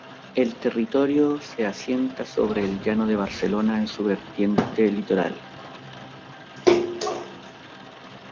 El territorio se asienta sobre el llano de Barcelona en su vertiente litoral.